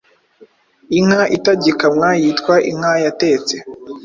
Inka itagikamwa yitwa Inka yatetse